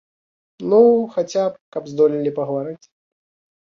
Ну, хаця б, каб здолелі пагаварыць.